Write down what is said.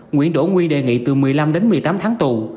nguyễn đỗ nguy đề nghị từ một mươi năm đến một mươi tám tháng tù